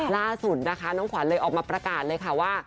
ล่าสุดนะคะน้องขวัญเลยออกมาประกาศเลยค่ะว่า